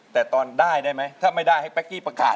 แต่ตอนด้ายถ้าไม่ได้ให้ปะกี้ประกาศ